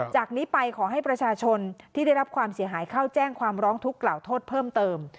จากนี้ไปขอให้ประชาชนที่ได้รับความเสียหายเข้าแจ้งความร้องทุกข์กล่าวโทษเพิ่มเติม